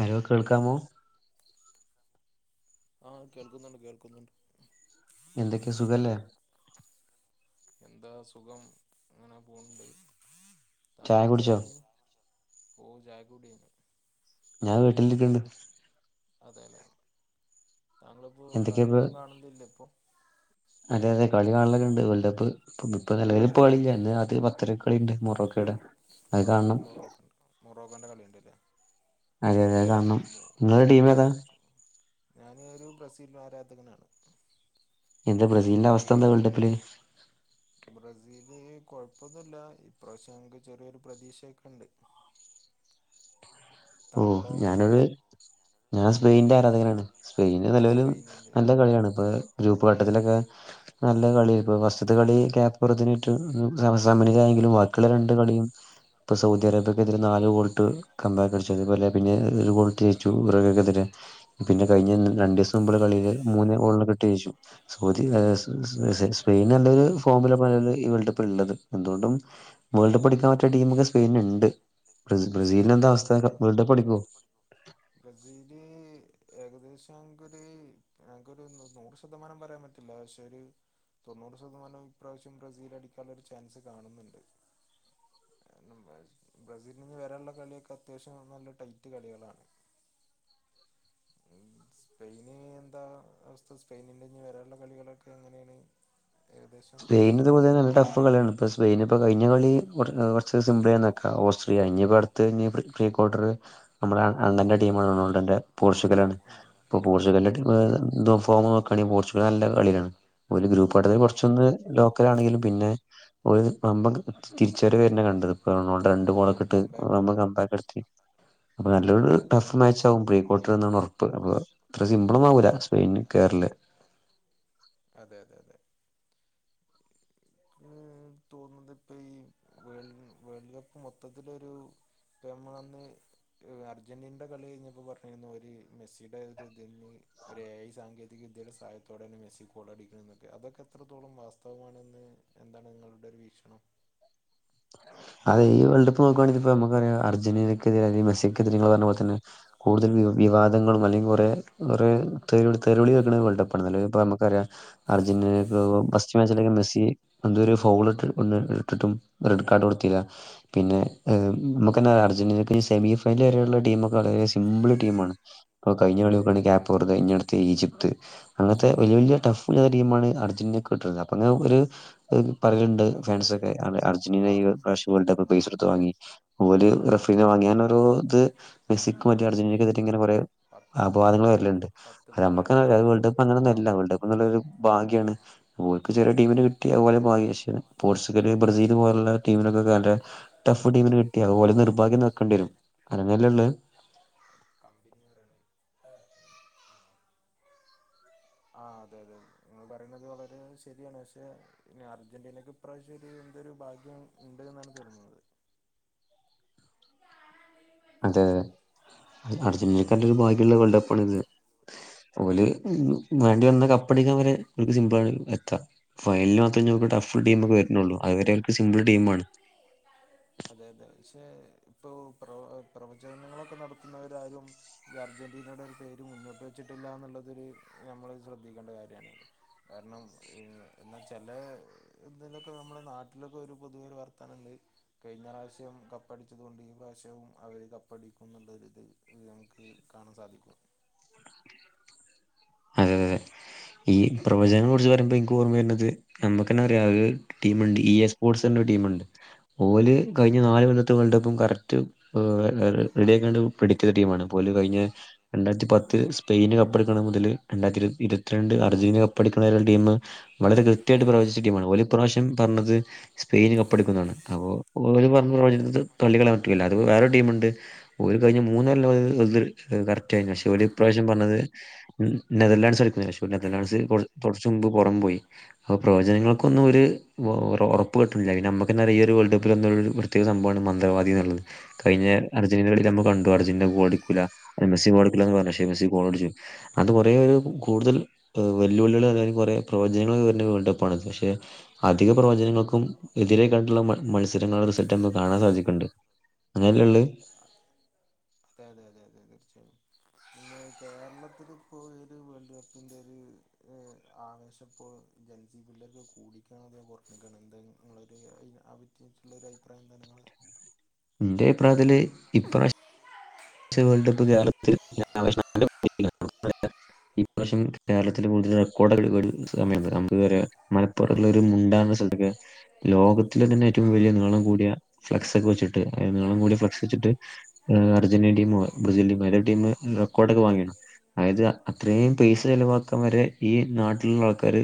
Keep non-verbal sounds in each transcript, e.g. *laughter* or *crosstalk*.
Hello... കേൾക്കാമോ? ആഹാ കേൾക്കുന്നുണ്ട്, കേൾക്കുന്നുണ്ട്. എന്തൊക്കെയാ സുഖല്ലേ എന്താ സുഖം അങ്ങനെ പോണ്ട്. ചായ താങ്കളിപ്പോ കുടിച്ചോ എവിടെയാണ് ഓഹ്, ചായൊക്കെ കുടിക്കായിഞ്ഞു. ഞാൻ വീട്ടിലിരിക്കണ്ട്. അതെയല്ലെ താങ്കളിപ്പോ എന്തൊക്കെയാ കളിയൊന്നും കാണുന്നില്ല ഇപ്പൊ അതേ അതെ, കളികാണലൊക്കെണ്ട് വല്ലപ്പഴും. ഇപ്പോ നിലവിൽ ഇപ്പോ കളില്ല, ഇന്ന് രാത്രി പത്തരക്ക് കളിണ്ട് മോറോക്കേടെ. പത്തരക്ക് മൊറോക്കണ്ട്, മൊറോക്കന്റെ കളിയുണ്ട്ല്ലേ? അതെ അതെ അത് കാണം, ഇങ്ങളെ ടീം ഏതാ? മൊറോക്ക ഞാന് ഒരു ബ്രസീൽ ആരാധകനാണ്. എന്താ ബ്രസീലിന്റെ അവസ്ഥ. എന്താ വേൾഡ് അവസ്ഥ കപ്പില് എന്താണ് ബ്രസീല് കൊഴപ്പൊന്നുല്ല ഇപാവശ്യം ഞങ്ങക്ക് ചെറിയൊരു പ്രതീക്ഷയൊക്കെ ഇണ്ട് ഓഹ് താങ്കളോ ഞാനൊരു ഞാൻ സ്പെയിന്റെ അരാധകരാണ് സ്പെയിന് നിലവില് സ്പെയിനിന്റെ നല്ല കളിയാണ് ഇപ്പോ, ഗ്രൂപ്പ് ഘട്ടത്തിലൊക്കെ നല്ല കളി, ഇപ്പോഫസ്റ്റത്തെ കളി കേപ്പ് വെർദ നെ- ഇതുസമനിലയായെങ്കിലും ബാക്കിയുള്ള രണ്ടുകളിയും ഇപ്പ സൗദിയറേബ്യക്കെതിരെ നാലുഗോൾട്ടു കമ്പയറടിച്ചു. അതുപോലെ പിന്നെ ഒരു, *unintelligible* ഗോൾ *unintelligible* എതിരെ. പിന്നെ കഴിഞ്ഞ രണ്ടുദിവസം മുമ്പുള്ള കളിയില് മൂന്നേ- *unintelligible* സോദി സ്പെയിൻ നല്ലരു ഫോമില പല ഈ വേൾഡ് കപ്പിൽ ഉള്ളത്, എന്തുകൊണ്ടും. വേൾഡ് കപ്പ് അടിക്കാൻ പറ്റിയ ടീമൊക്കെ സ്പെയിന് ഇണ്ട്, ബ്രസീലിനെന്താ അവസ്ഥ? വേൾഡ് കപ്പ് വേൾഡ്കപ്പ് അടിക്കുവോ? ബ്രസീല് ഏകദേശംഇപ്പോ ഒരു, ഞങ്ങൾക്കൊരു നൂറ് ശതമാനം പറയാൻ പറ്റു, എന്താച്ചല് ഒരു തൊണ്ണൂറ് ശതമാനം, ഇപ്രാവശ്യം ബ്രസീൽ- അടിക്കാള്ളൊരു ചാൻസ് കാണുന്നുണ്ട്. കാരണം ബ്രസീലി ന്നി വരാള്ള കളികളൊക്കെ അത്യാവശ്യം നല്ല ടൈറ്റ് കളികളാണ്. ഉം സ്പെയിന് എന്താ അവസ്ഥ, സ്പെയിനിൻ്റെ നി വരാള്ള കളികളൊക്കെ എങ്ങനേണ് ഏകദേശം സ്പെയിനിതുപോലെ നല്ല ടഫുകളിയാണ് ഇപ്പോൾ സ്പെയിനിനിപ്പോ കഴിഞ്ഞകളി ഒരു സിംമ്പിളിയാന്നു വെക്കാം ഓസ്ട്രിയ ഇനിയിപ്പോ അടുത്തതിനി പ്രീക്വാർട്ടർ നമ്മളെ അങ്ങനെ ടീമാ റൊണാൾഡോന്റെ പോർച്ചുഗലാണ്. ഇപ്പോൾ പോർച്ചുഗലിന്റെ ടീമ് എഫോമ് നോക്കുകയാണെങ്കിൽ പോർച്ചുഗൽ നല്ല കളിയാണ് ഒരു ഗ്രൂപ്പ് അഡ്മിൻ കൊറച്ചൊന്ന്.. ലോക്കലാണെങ്കിൽ പിന്നെയൊരുവമ്പം തിരിച്ചുവരവുതന്നെ കണ്ടതും റൊണാൾഡോ അതെ അതെ ഒരു രണ്ടുഗോളൊക്കെ ഇട്ട്, കംബാക്ക് ഓൻ വമ്പം കംബാക്കട് ത്തി അപ്പൊ അതെ നല്ലൊരുടഫ്മാച്ചാകും പ്രീക്വാർട്ടർ എന്നാണ് ഉറപ്പ് അപ്പൊ ഇത്ര സിംമ്പിളൊന്നുമാകൂല സ്പെയിനുകേറല് അതെയതെയതെ ആ തോന്നുന്നതിപ്പമീ വേൾ വേൾഡുകപ്പ് മൊത്തത്തിലൊരു അപ്പ നമ്മളന്ന് അർജന്റീനയുടെകളി കഴിഞ്ഞപ്പോൾ പറഞ്ഞിരുന്നു ഒരു മെസ്സിയുടെയൊരുഇതിൽ ഈ ഒരുഏ. ഐ. സാങ്കേതിക വിദ്യയുടെ സഹായത്തോടെയാണ് മെസ്സിഗോളടിക്കണന്നൊക്കെ. അതൊക്കെത്രത്തോളം വാസ്തവമാണെന്ന് എന്താണുനിങ്ങളുടെ വീക്ഷണം അതീ വേൾഡ് നോക്കുയാണെങ്കിലിപ്പം നമുക്കറിയാം അർജന്റീനക്കെതിരെ അല്ലെങ്കിൽ മെസ്സിക്കെതിരെ നിങ്ങളുപറഞ്ഞ പോലെ തന്നെ കൂടുതൽ വിവാദങ്ങളും അല്ലെങ്കിൽ കൊറെ ഒരേ തെറി തെറിവിളികേൾക്കണ വേൾഡ്കപ്പ്ണ്ഇപ്പ നമുക്കറിയാം അർജൻ ൻറീനഫസ്റ്റ് മാച്ചിലേക്കു മെസി *inaudible* എന്തൊരു ഫൗളിട്ടു പിന്നെയെടുത്തിട്ടും അതെടുക്കാനും പറ്റിയില്ല. പിന്നെ ഏ നമുക്കെന്ന അർജന്റീനക്ക് സെമി ഫൈനൽ വരെയുള്ള ടീമൊക്കെ വളരെ സിംമ്പിൾ ടീമാണ്. ഓക്ക കഴിഞ്ഞ ഞ്ഞ കളി കേപ്പ് ട്ത്ത് ഈജിപ്ത്ത് *inaudible* അങ്ങനത്തെ വലിയ വലിയ ടഫുള്ളടീമാണ് അർജന്റീനക്കു അപ്പ ങ്ങനൊരു ഒരുപാടുണ്ട് ഫാൻസ്. അർ അർജന്റീന ആ ഈ പ്രാവശ്യം വേൾഡുകപ്പ് പൈസ കൊടുത്തുവാങ്ങി ഓല് രണ്ടെണ്ണം റഫ് പിന്നെ വാങ്ങിയാനൊരിത് മെസ്സിക്കോ മറ്റേ അർജന്റീന ക്കെതിരെ യിങ്ങനെ പറയാം പത്ത് അപവാദങ്ങൾ വരലുണ്ട് പത്ത് അത് നമ്മക്കു പത്ത് വേൾഡ് കപ്പ് ആ അങ്ങനെന്നുഅല്ല വേൾഡ് കപ്പെന്നുള്ളയൊരു ഭാഗ്യ ണ്. ഓൽക്ക് ചെറിയടീമിനെ കിട്ടി. അഅ് ഓലെ ഭാഗ്യം. പക്ഷേ പോർച്ചുഗല്, ബ്രസീല് പോലെള്ള ടീമിനൊക്കെ *inaudible* ടഫ് ടീമിനെ കിട്ട്യാ ഓലെ നിർഭാഗ്യംന്ന് വെക്കണ്ടേരും., അതെന്നെല്ലെള്ളത് *unintelligible* ആ *inaudible* ആ അതെയതെ നിങ്ങൾ പറയുന്നതുവളരെ ശരിയാണുപക്ഷേയിനി അർജന്റീനയ്ക്കു ഇപ്രാവശ്യം ഇതിലെന്തൊരു ഭാഗ്യം ഉണ്ട്ന്നാണു തോന്നുന്നത്. അതെ അർജന്റീനക്കൊരു ഭാഗ്യള്ള വേൾഡ് കപ്പാണിത്. ഓല് വേണ്ടിവന്നാകപ്പടിക്കാൻ വരെ ഓൽക്ക് സിംമ്പിളാണ്, എത്ത ഫൈനൽല് വന്ന ഞ് ഓൽക്ക് അതെ ടഫ് ടീമൊക്കെ വരുന്നൊള്ളൂ അത് വെര ഓൽക്ക് സിംമ്പിൾടീമാണ് അതെയതെ പക്ഷേയി പ്പോപ്രവ പ്രവചനങ്ങളൊക്കെ നടത്തുന്നവരാരും ഇത് അർജന്റീനയുടെയൊരു പേര്മുന്നോട്ടു വെച്ചിട്ടില്ലായെന്നുള്ളതു നമ്മൾ ശ്രദ്ധിക്കേണ്ട കാര്യാണ്. കാരണം എന്നാ ചില ഇതിലൊക്കെ നമ്മള നാട്ടിലൊക്കെ ഒരു പൊതുവെ ഒരു വർത്താനം ഇണ്ട് കയിഞ്ഞ പ്രാവശ്യം കപ്പടിച്ചതോണ്ട്, ഈ പ്രാവശ്യവും അവര് കപ്പടിക്കുംന്ന്ള്ളരിത് നമുക്കു കാണാൻ സാധിക്കും. അതെയതെയതെ ഈ പ്രവചനം കുറിച്ചു പറയുമ്പോ ഓർമ്മ വരുന്നത് നമുക്ക് അറിയാലൊ അതി പ്പോ ടീ എസ്പോർട്സിന്റെടീമുണ്ട് ഓല് കയ്ഞ്ഞ നാലുകൊല്ലത്തെ വേൾഡുകപ്പുംകറക്റ്റ് റെഡിയാക്കാണ്ടു പഠിക്ക്ണ ടീമാണ് പോല് കഴിഞ്ഞെ രണ്ടായിരത്തിപത്ത് സ്പെയിനുകപ്പെടുക്കണ മുതലുരണ്ടായിരത്തി ഇരുപത്തിരണ്ട് അർജന്റീന കപ്പെടുക്കണ ടീമ് വളരെ കൃത്യായിട്ട് പ്രവചിച് ടീമാണ് ഓലി ഇപ്രാവശ്യം പറഞ്ഞത് സ്പെയിന് കപ്പ് എടുക്കുന്നതാണ് അപ്പോ ഓര് പറഞ്ഞ വലുത് തള്ളിക്കളയാൻ പറ്റൂലല്ല അത് വേറെൊരു ടീമ്ണ്ട് ഒ കഴിഞ്ഞ മൂന്നാല് *unintelligible* ഇത് കറക്റ്റായിരുന്നു പക്ഷേ ഓര് ഇപ്രാവശ്യം പറഞ്ഞത് നേതേര്ലാന്ഡ്സ് എടുക്കുന്ന *unintelligible* കൊറച്ചുമുമ്പ് പുറം പോയി. അപ്പൊ പ്രവചനങ്ങൾക്കൊന്നും ഒരു ഒ ഒറ ഒറപ്പ് കിട്ടണില്ല നമ്മക്കന്നറിയ ഒരു വേൾഡ് കപ്പിൽ എന്താ *unintelligible* സംഭവമാണ് മന്ത്രവാദി എന്ന്ള്ളത് കഴിഞ്ഞ അർജന്റീനെ കളി നമ്മൾ കണ്ടു അർജന്റീനാ ഗോളാടിക്കൂല. എം എസ് സി ഗോളടിക്കൂലാന്ന് പറഞ്ഞു പക്ഷെ എം എസ് സി ഗോളടിച്ചു അതുകൊ കുറേ ഒരു കൂടുതൽ വെല്ലുവിളികൾ അല്ലെങ്കിൽ കുറേ പ്രവചനങ്ങള് വരുന്ന ഒരു വേൾഡ് കപ്പാണത് പക്ഷെ. അധിക പ്രവചനങ്ങൾക്കും എതിരെക്കാണ്ടുള്ള മ മത്സരങ്ങള് സെറ്റേന്ന് കാണാൻ സാധിക്ണ്ട്. അങ്ങനെയല്ലേ ഉള്ളത്. ത അതെ അതെ അതെ തീർച്ചയായും പിന്നെ കേരളത്തിൽ ഇപ്പൊ ഒരു വേൾഡ് കപ്പിന്റെ ഒരു ഏഹ് ആവേശം. ഇപ്പോൾ ജെൻ സി പിള്ളേർക്ക് കൂടിക്കാണോ അതോ കൊറഞ്ഞിക്കാണോ എന്ത ഇങ്ങളൊര് അയിന് അബി ച്ചുള്ള ഒരു അഭിപ്രായം എന്താ നിങ്ങളെ എന്റെ അഭിപ്രായത്തില് ഇപ്ര *unintelligible* വേൾഡ് കപ്പ് കേരളത്തിൽ *unintelligible* *inaudible* ഈ വർഷം കേരളത്തിൽ കൂടുതൽ റെക്കോർഡ് സമയണ്ട് നമ്മക്കറിയ മലപ്പുറുള്ള ഒരു മുണ്ടന്നാ സ്ഥലത്തൊക്കെ. ലോകത്തിലെ തന്നെ ഏറ്റവും വലിയ നീളം കൂടിയ ഫ്ലാക്സ് ഒക്കെ വച്ചിട്ട് നീളം കൂടിയ ഫ്ലക്സ് വച്ചിട്ട്. അർജന്റീനേം ടീമും ബ്രസീലിയൻ ടീമും ഏതോ ഒരു ടീം റെക്കോഡ് ഒക്കെ വാങ്ങിണ്. അതായത് അത്രയും പൈസ ചെിലവാക്കൻ വരെ ഈ നാട്ടിലുള്ള ആൾക്കാര്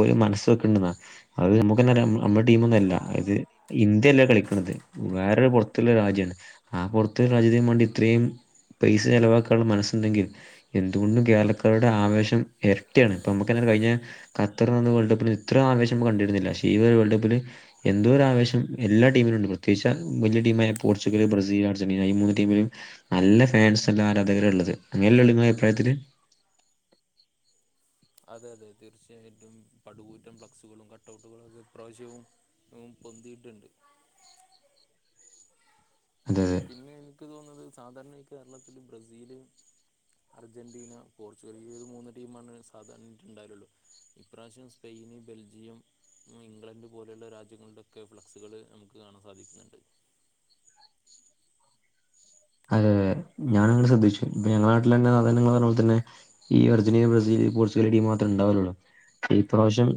ഓല് മനസ് വെക്കണ്ടന്നാ അത് നമ്മുക്കന്ന അറിയാം നമ്മുടെ ടീമൊന്നും അല്ല അത് ഇന്ത്യയല്ലേ കളിക്കണത് വേറൊരു പുറത്തുള്ള രാജ്യണ് ആ പുറത്തു രാജ്യത്തിനുംവേണ്ടി ഇത്രയും പൈസ ചിലവാക്കാനുള്ള മനസ്സുണ്ടെങ്കി എന്തുകൊണ്ടും കേരളക്കാരുടെ ആവേശം ഇരട്ടിയാണ് ഇപ്പ നമുക്കന്നെ കഴിഞ്ഞ ഖത്തർ നിന്ന് വേൾഡ് കപ്പിൽ ഇത്ര ആവേശം കണ്ടിരുന്നില്ല പക്ഷേ ഈ വേൾഡ് കപ്പില്. എന്തോരു ആവേശം എല്ലാ ടീമിലുണ്ട് പ്രത്യേകിച്ച വലിയടീമായ പോർച്ചുഗൽ ബ്രസീൽ അർജന്റീന ഈ മൂന്ന് ടീമിലും. നല്ല ഫാൻസ്ള്ള ആരാധകര് ഉള്ളത് അങ്ങനെയല്ല ഉള്ള നിങ്ങള അഭിപ്രായത്തില്. അതെ അതെ തീർച്ചയായിട്ടും പടുകൂറ്റം ഫ്ലാക്സുകളും കട്ട്ഔട്ടുകളും ഒക്കെ ഇപ്രാവശ്യവും. ഉം പൊന്തിയിട്ടുണ്ട്. അതെ ഏഹ് അതെ പിന്നെ എനിക്ക് തോന്നുന്നത് സാധാരണ ഈ കേരളത്തില് ബ്രസീല്. അർജന്റീന പോർച്ചുഗൽ ഈ ഒരു മൂന്ന് ടീമാണ് സാധാരണയിട്ട് ഉണ്ടാകലൊള്ളൂ. ഇപ്രാവശ്യം സ്പെയിന് ബെൽജിയം ഇംഗ്ലണ്ട് പോലെയുള്ള രാജ്യങ്ങളുടൊക്കെ ഫ്ലക്സുകൾ നമുക്ക് കാണാൻ സാധിക്കുന്നുണ്ട്. അതെ ഞാൻ അങ്ങനെ ശ്രദ്ധിച്ചു പിന്നെ നാട്ടിൽ *unintelligible* പോലെ തന്നെ. ഈ അർജന്റീന ബ്രസീൽ പോർച്ചുഗൽ ടീമ് മാത്രേ ഉണ്ടാവലുള്ളൂ ഈ പ്രാവശ്യം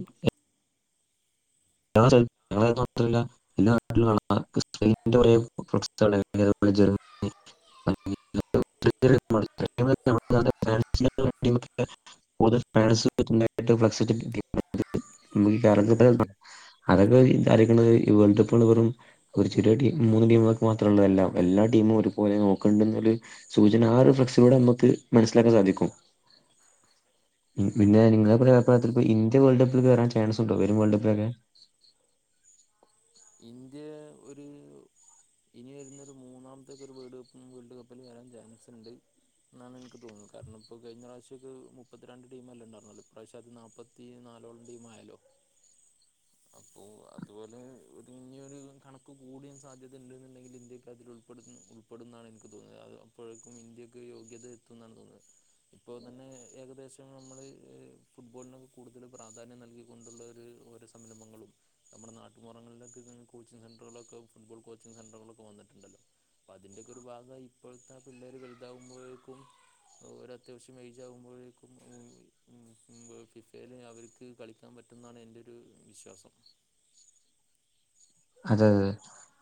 *unintelligible* മാത്രല്ല *unintelligible* *unintelligible* *unintelligible* അതൊക്കെ *unintelligible* ഇവന്റെ ഒപ്പം ഉള്ള വെറും. ഒര് ചെറിയ ടീം മൂന്ന് ടീമ്കൾക്ക് മാത്രള്ളതല്ല എല്ലാ ടീമും ഒര്പോലെ നോക്കണ്ട്ന്നൊര് സൂചന ആ ഒരുഫ്ക്സിലൂടെ നമ്മക്ക് മനസ്സിലാക്കാൻ സാധിക്കും. *inaudible* പിന്നെ അതെ അതെ നിങ്ങളെ അതെ പ്രായ പ്രായത്തിൽ ഇപ്പൊ ഇന്ത്യ വേൾഡ് കപ്പിൽ വരാൻ ചൻസ് ഉണ്ടോ വരും വേൾഡ് കപ്പിലൊക്കെ. *inaudible* ഇന്ത്യ ഒരു ഇനി വരുന്ന ഒരു മൂന്നാമത്തേക്ക് ഒരു വേൾഡ് കപ്പും കൂടി വേൾഡ് കപ്പിൽ വരാൻ ചാൻസ് ഉണ്ട്. എന്നാണ് എനിക്ക് തോന്നുന്നത് കാരണം ഇപ്പോ കഴിഞ്ഞ പ്രശ്യൊക്കെ മുപ്പത്തി രണ്ട് ടീമല്ലേ ഉണ്ടാര്ന്നുള്ളൂ ഇപ്രാവശ്യം അത് നാപ്പത് ഈ നാലോളം ടീം ആയല്ലോ അപ്പൊ അത്പോലെ ഇന്നിയൊരു കണക്ക് കൂടാൻ സാധ്യത ണ്ട്ന്ന്ണ്ടങ്കി ഇന്ത്യക്കെ അതിൽ ഉൾപ്പെടുന്ന ഉൾപ്പെടുന്നാണ് എനിക്ക് തോന്നുന്നത് അത് ഇപ്പോഴേക്കും ഇന്ത്യക്ക് യോഗ്യത എത്തുന്നാണ് തോന്നുന്നത് ഇപ്പോൾ തന്നെ ഏകദേശം നമ്മള് ഫുട്ബോളിനൊക്കെ കൂടുതൽ പ്രാധാന്യം നൽകിക്കൊണ്ട്ള്ളൊര് സംരംഭങ്ങളും നമ്മുടെ നാട്ടുമ്പുറങ്ങളിൽ കോച്ചിങ് സെന്റുകളൊക്കെ ഫുട്ബോൾ കോച്ചിങ് സെന്ററുകളൊക്കെ വന്നിട്ടുണ്ടല്ലോ. അപ്പ അതിന്റൊക്കൊര് ഭാഗായി ഇപ്പോഴത്താ പിള്ളേര് വല്താവുമ്പോഴേക്കും ഒരത്യാവശ്യം ഏജാകുമ്പോഴേക്കും ഓ ഇപ്പം ഫിഫേല് അവര് ക്ക് കളിക്കാം പറ്റുന്നാണ് എന്റൊരു വിശ്വാസം അതെ അതെ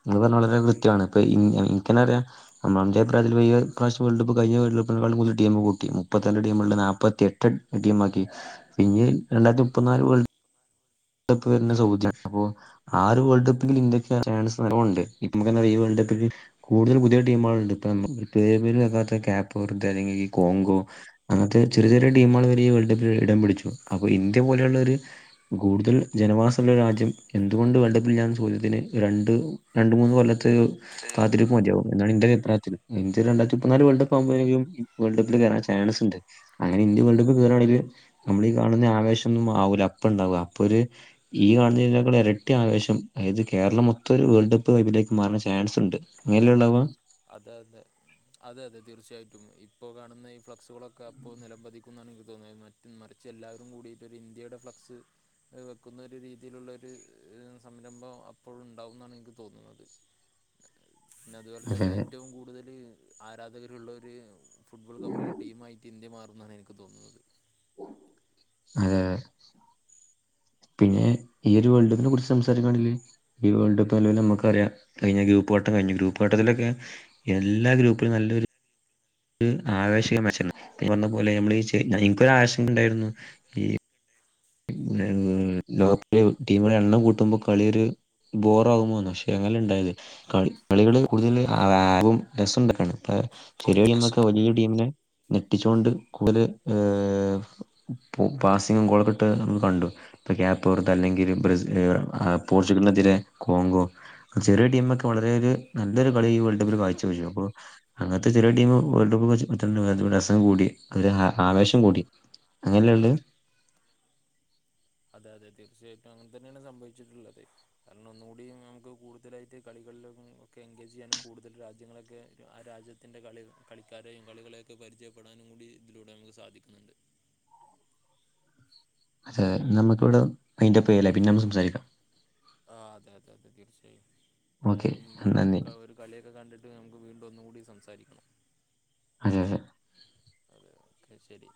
ങ്ങള് പറഞ്ഞത് വളരെ കൃത്യാണ് ഇപ്പ ഇനിക്കെന്നറിയാ ഞമ്മ ന്റെ അഭിപ്രായത്തില് ഈ ഇപ്രാവശ്യം വേൾഡ് കപ്പ് കഴിഞ്ഞ വേൾഡ് കപ്പിനേക്കാൾ കൂട്തൽ ടീമ് കൂട്ടി. മുപ്പത്തിരണ്ട് ടീമ്ള്ളത് നാപ്പത്തിയെട്ട് ടീമാക്കി ഇഞ്ഞി രണ്ടായിരത്തി മുപ്പത്തി നാല് വേൾഡ് കപ്പ് വെര്ണെ സൗദ്യാണ് അപ്പോ ആ ഒര് വേൾഡ് കപ്പ്ല് ഇന്ത്യക്ക് *unintelligible* സ്ഥലോണ്ട് ഇപ്പമ്മക്കന്നെ അറിയാ ഈ വേൾഡ് കപ്പ്ക്ക് കൂടുതൽ പുതിയ ടീമ്കൾണ്ട്പ്പ മ്മ *unintelligible* വെക്കാത്ത കേപ്പ് വെർതേ അല്ലെങ്കിൽ കോങ്കോ അങ്ങൻത്തെ ചെറ്യ ചെറ്യേ ടീമുകൾ വെരെ ഈ വേൾഡ് കപ്പിൽ ഇടം പിടിച്ചു അപ്പൊ ഇന്ത്യ പോലെള്ളൊര് കൂടുതൽ ജനവാസള്ള രാജ്യം എന്തുകൊണ്ട് വേൾഡ്കപ്പിലില്ലാന്ന്ള്ള ചോദ്യത്തിന് രണ്ട് രണ്ട് മൂന്ന് കൊല്ലത്തൊര് കാത്തിരിപ്പ്മതിയാവും എന്നാണ് ഇന്റെ അഭിപ്രായത്തില് ഇന്ത്യ രണ്ടായിത്തിമുപ്പത്തിനാല് വേൾഡ് കപ്പാവുമ്പത്തേനും വേൾഡ് കപ്പില് കേറാൻ ചാൻസ്ണ്ട് അങ്ങനെ ഇന്ത്യ വേൾഡ് കപ്പ് കേറാണെങ്കില് നമ്മളീ കാണുന്ന ആവേശൊന്നും ആവൂല അപ്പ ണ്ടാവുക അപ്പൊര് ഈ കാണുന്നതിനെക്കാൾ ഇരട്ടി ആവേശം അയത് കേരളം മൊത്തം ഒരു വേൾഡ് കപ്പ് വൈബിലേക്ക് മാറാൻ ചാൻസ്ണ്ട്. അങ്ങനല്ലെണ്ടാവ അതെ അതെ അതെ അതെ തീർച്ചയായിട്ടും ഇപ്പൊ കാണുന്ന ഈ ഫ്ലക്സുകളൊക്കെ അപ്പൊൽ നിലംമ്പതിക്കുന്നാണ് എനിക്ക് തോന്നുന്നെ മ് മറിച്ചെല്ലാരും കൂടിട്ടൊരു ഇന്ത്യയുടെ ഫ്ലക്സ് വെക്കുന്നൊര് രീതിയിലുള്ളൊരു സംരംഭം അപ്പോഴുണ്ടാവുന്നാണ് ഇൻക്ക് തോന്നുന്നത് പിന്നെ അതുപോലെ അതെ തന്നെ അതെ ഏറ്റവും കൂടുതല് ആരാധകര്ഉള്ളോര് ഫുട്ബോൾ കപ്പിലെ ടീമായിട്ട് ഇന്ത്യ മാറുന്നാണ് എ നി ക്ക് തോന്നുന്നത് ഏ പിന്നെ ഈ ഒരു വേൾഡ് കപ്പിനെ കുറിച്ച് സംസാരിക്കുകയാണെങ്കില് ഈ വേൾഡ് കപ്പ് ലെവലിൽ മ്മക്കറിയ കയ്ഞ്ഞ ഗ്രൂപ്പ് വട്ടം കയ്ഞ്ഞു ഗ്രൂപ്പ് വട്ടത്തിലൊക്കെ എല്ലാ ഗ്രൂപ്പിലും നല്ലൊര് ര് ആവേശികം വെച്ച്ര്ന്നു ഈ പറഞ്ഞ പോലെ നമ്മൾ ഈ ചെ ഇൻക്ക് ആവേശങ്ങ ണ്ടായിരുന്നു ഒര് ആശങ്കണ്ടേയ്ര്ന്നു പിന്നെ ലോക്കകപ്പില് ടീമ്കളുടെ എണ്ണം കൂട്ടുമ്പോ കളിയൊര് ബോറാകുമോന്ന്. പക്ഷേ അങ്ങനെ ല്ലണ്ടായത് കളി കളികള് കൂടുതല് ആ *unintelligible* രസണ്ട് കാണാൻ *unintelligible* ചെറിയ കളി നമ്മക്ക് വലീയ ടീമിനെ ഞെട്ടിച്ച് കൊണ്ട് ഇപല് ഏഹ് പാസിങ്ങും കൊളൊ ട്ടെ ഹ് ഹും കണ്ടു പ്പ ക്യാപ്പ്ർദൻ അല്ലെങ്കിൽ ബ്രസി ഏ പോർച്ചുഗലിനെതിരെ കോങ്കോ ചെറിയ ടീമൊക്കെ വളരെ ഒര് നല്ലൊര് കളി ഈ വേൾഡ് കപ്പില് കാഴ്ച വെച്ചു അപ്പോ അങ്ങന് ത്തെ ചെറിയ ടീം വേൾഡ് കപ്പ് വെച്ച് വെച്ചോണ്ട് രസം കൂടി ഒര് ആ ആവേശം കൂടി അങ്ങനല്ലെ ളെള അതെ അതെ തീർച്ചയായിട്ടും അങ്ങൻതന്നേണ് സംഭവിച്ചിട്ടുള്ളത്. കാരണം ഒന്നുകൂടി നമ്മക്ക് കൂടുതലായിട്ട് കളികളിലൊക്കെ എൻഗേജ് ചെയ്യാൻ കൂടുതൽ രാജ്യങ്ങളൊക്കെ ആ രാജ്യ ത്തിൻ്റെ കളി കളിക്കാരെയും കളികളെയൊക്കെ പരിചയപ്പെടാനും കൂടി ഇതിലൂടെ നമുക്ക് സാധിക്കുന്നുണ്ട് അതെ നമുക്കിവടെ വൈന്റപ്പ് ചെയ്യാലെ പിന്നമ്മക്ക് സംസാരിക്കാം ആഹ് അതെ അതെ അതെ തീർച്ചയായും ഓക്കെ എന്തായാലും നന്ദി ക്കവരും കളിയൊക്കെ കണ്ട്ട്ട് നമ്മക്ക് വീണ്ടും ഒന്നും കൂടി സംസാരിക്കണ്ണം അതെ അതെ അതെ ഓക്കെ ശെരി